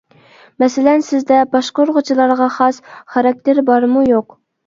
مەسىلەن سىزدە باشقۇرغۇچىلارغا خاس خاراكتېر بارمۇ يوق.